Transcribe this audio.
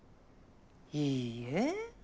いいえ。